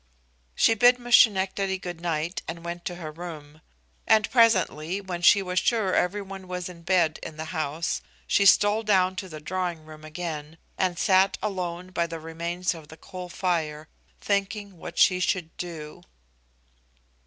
She bid Miss Schenectady good night, and went to her room; and presently, when she was sure every one was in bed in the house, she stole down to the drawing room again, and sat alone by the remains of the coal fire, thinking what she should do.